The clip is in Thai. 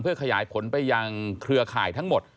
ขยายผลไปยังเครือข่ายทั้งหมด